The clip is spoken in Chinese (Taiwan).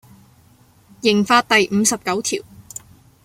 刑法第五十九條